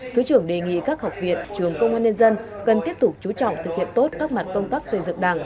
thứ trưởng đề nghị các học viện trường công an nhân dân cần tiếp tục chú trọng thực hiện tốt các mặt công tác xây dựng đảng